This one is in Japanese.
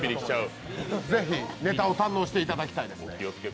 是非、ネタを堪能していただきたいですね。